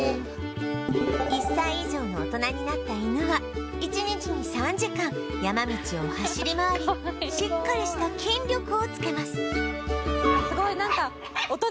１歳以上の大人になった犬は１日に３時間山道を走り回りしっかりした筋力をつけます